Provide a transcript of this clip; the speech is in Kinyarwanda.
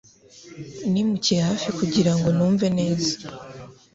Nimukiye hafi kugirango numve neza